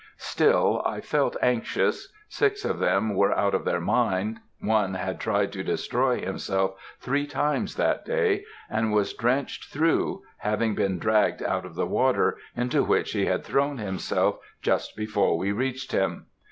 Still I felt anxious; six of them were out of their mind, one had tried to destroy himself three times that day, and was drenched through, having been dragged out of the water, into which he had thrown himself just before we reached him.